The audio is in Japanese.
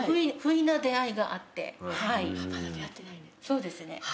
そうですね。